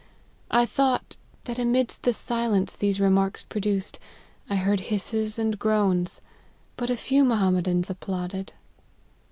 I thought, that amidst the silence these remarks produced, I heard hisses and groans : but a few Mohammedans applauded."